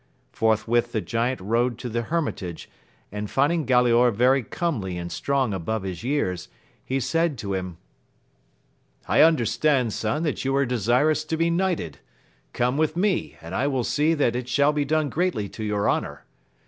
Forthwith the giant rode to the hermi* tage, and finding Glalaor very comely and strong above his years, he said to him, I understand, son, that you are desirous to be knighted ; come with me, and I will see that it shall be done greatly to your honour.